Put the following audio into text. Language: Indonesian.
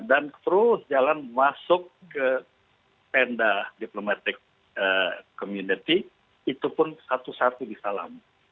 dan terus jalan masuk ke tenda diplomatic community itu pun satu satu di salam